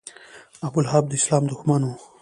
ابولهب د اسلام دښمن و.